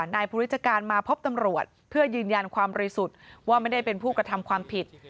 นายภูริจการมาพบตำรวจเพื่อยืนยันความบริสุทธิ์ว่าไม่ได้เป็นผู้กระทำความผิด